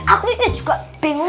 update nya juga bingung